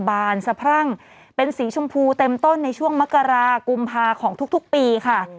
บานสะพรั่งเป็นสีชมพูเต็มต้นในช่วงมกรากุมภาของทุกปีค่ะ